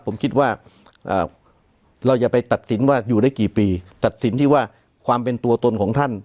ผมคิดว่าเราอย่าไปตัดสินว่าอยู่ได้กี่ปีตัดสินที่ว่าความเป็นตัวตนของท่าน